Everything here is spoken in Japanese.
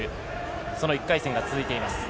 その１回戦が続いています。